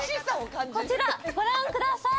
こちら、ご覧ください。